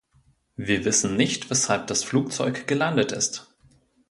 Wir wissen nicht, weshalb das Flugzeug gelandet ist.